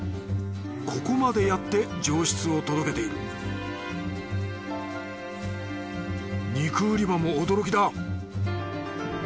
ここまでやって上質を届けている肉売り場も驚きだ